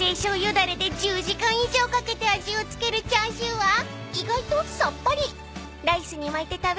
だれで１０時間以上かけて味を付けるチャーシューは意外とさっぱり］